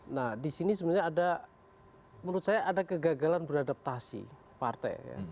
nah di sini sebenarnya ada menurut saya ada kegagalan beradaptasi partai